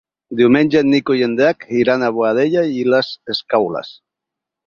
Diumenge en Nico i en Drac iran a Boadella i les Escaules.